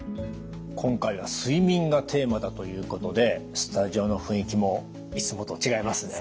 今回は「睡眠」がテーマだということでスタジオの雰囲気もいつもと違いますね。